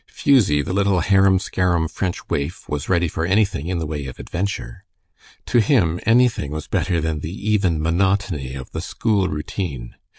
Fusie, the little, harum scarum French waif was ready for anything in the way of adventure. To him anything was better than the even monotony of the school routine.